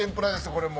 これもう。